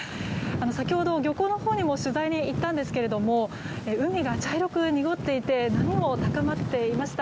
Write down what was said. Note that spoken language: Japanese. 先ほど、漁港のほうにも取材に行ったんですが海が茶色く濁っていて波も高まっていました。